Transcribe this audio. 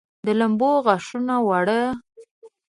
د لمبو غاښونه واړه